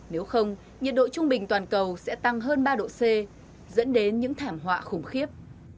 nếu không nhiệt độ trung bình toàn cầu sẽ tăng hơn ba độ c dẫn đến những thảm họa khủng khiếp